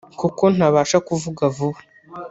kuko ntabasha kuvuga vuba